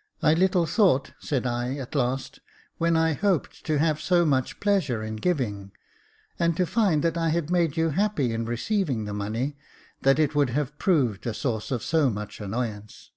*' I little thought," said I, at last, *' when I hoped to have so much pleasure in giving, and to find that I had made you happy in receiving the money, that it would have proved a source of so much annoyance.